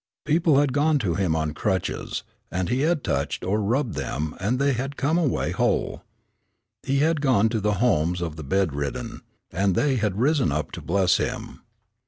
People had gone to him on crutches, and he had touched or rubbed them and they had come away whole. He had gone to the homes of the bed ridden, and they had risen up to bless him.